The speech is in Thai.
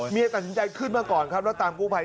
เมียต่างจนใจขึ้นมาก่อนแล้วตามกลุไป